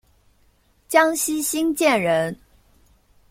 江西新建人。